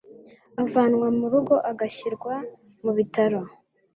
avanwa mu rugo agashyirwa mu bitaro